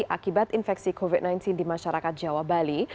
akibat infeksi covid sembilan belas di masyarakat jawa bali